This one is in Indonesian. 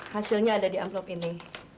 hasilnya ada di amplop ini